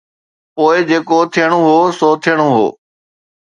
پوءِ جيڪو ٿيڻو هو سو ٿيڻو هو.